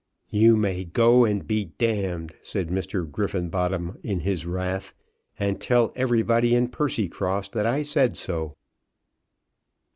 "You may go and be ," said Mr. Griffenbottom in his wrath, "and tell everybody in Percycross that I said so."